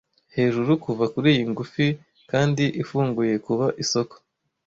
Hejuru kuva kuriyi ngufi kandi ifunguye kuba, isoko